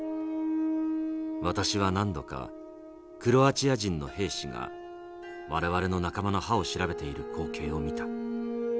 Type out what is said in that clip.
私は何度かクロアチア人の兵士が我々の仲間の歯を調べている光景を見た。